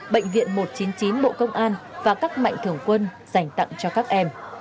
bệnh viện một trăm chín mươi chín bộ công an và các mạnh thường quân dành tặng cho các em